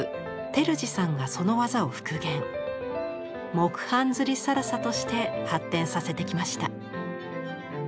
「木版摺更紗」として発展させてきました。